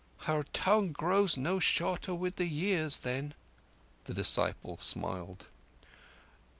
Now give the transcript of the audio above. "Her tongue grows no shorter with the years, then?" the disciple smiled.